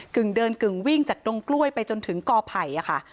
กึ่งเดินกึ่งวิ่งจากดงกล้วยไปจนถึงกอไผ่ค่ะ